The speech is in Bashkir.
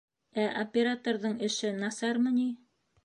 — Ә операторҙың эше насармы ни?